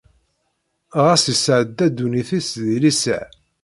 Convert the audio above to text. Ɣas isɛedda ddunit-is di liser.